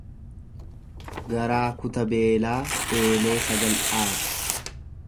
Garaa kuta beelaa eelee sagal dhaabu.